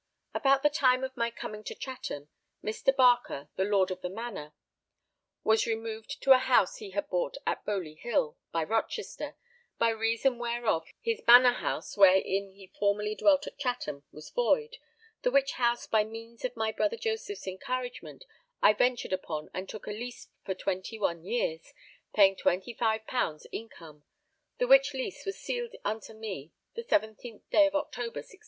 About the time of my coming to Chatham, Mr. Barker, the lord of the Manor, was removed to a house he had bought at Boley Hill by Rochester, by reason whereof his Manor House wherein he formerly dwelt at Chatham was void, the which house by means of my brother Joseph's encouragement I ventured upon and took a lease for twenty one years, paying 25_l._ income, the which lease was sealed unto me the 17th day of October, 1600.